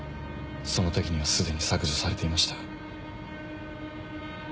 その時には既に削除されていました。